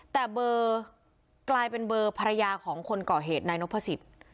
แต่เบอร์กลายเป็นเบอร์ภรรยาของคนก่อเหตุนายนพสิทธิ์